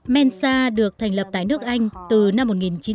mensa được thành lập tại nước anh từ năm một nghìn chín trăm bốn mươi sáu